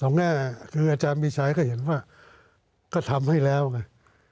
เอาง่ายคืออาจารย์มีชัยก็เห็นว่าก็ทำให้แล้วไง